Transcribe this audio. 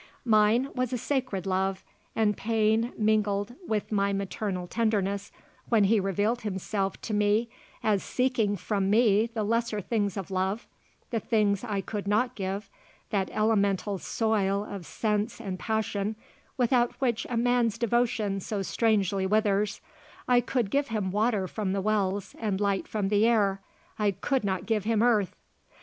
Mine was a sacred love and pain mingled with my maternal tenderness when he revealed himself to me as seeking from me the lesser things of love, the things I could not give, that elemental soil of sense and passion without which a man's devotion so strangely withers, I could give him water from the wells and light from the air; I could not give him earth.